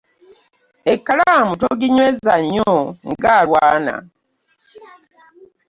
Ekkalamu toginyweza nnyo ng'alwana.